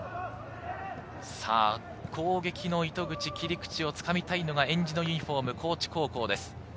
攻撃の糸口、切り口をつかみたいのが、えんじのユニホーム、高知高校です。